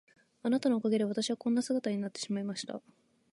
あなたのおかげで私はこんな姿になってしまいました。